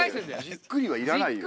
じっくりはいらないよ。